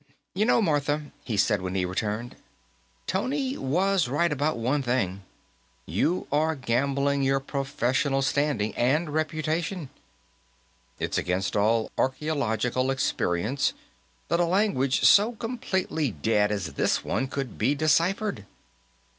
"You know, Martha," he said, when he returned, "Tony was right about one thing. You are gambling your professional standing and reputation. It's against all archaeological experience that a language so completely dead as this one could be deciphered.